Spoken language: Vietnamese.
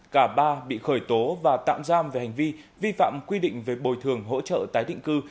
cả ba bị khởi tố và tạm giam về hành vi vi phạm quy định về bồi thường hỗ trợ tái định cư